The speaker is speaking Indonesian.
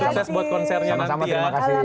sukses buat konsernya nanti ya